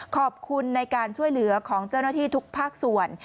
ขอบคุณในการช่วยเหลือของเจ้าหน้าที่ทุกภาคส่วน